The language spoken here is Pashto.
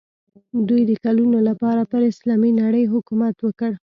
دوی د کلونو لپاره پر اسلامي نړۍ حکومت وکړ.